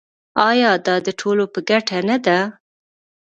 آیا دا د ټولو په ګټه نه ده؟